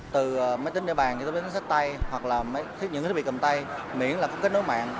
từ máy tính địa bàn cho tới máy tính sách tay hoặc là những thiết bị cầm tay miễn là có kết nối mạng